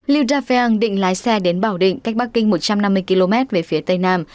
liu dhafeang định lái xe đến bảo định cách bắc kinh một trăm năm mươi km về phía tây nam